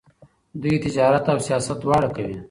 دوی تجارت او سیاست دواړه کوي.